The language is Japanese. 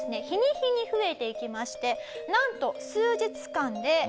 日に日に増えていきましてなんと数日間で。